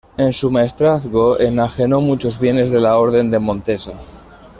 En su maestrazgo enajenó muchos bienes de la Orden de Montesa.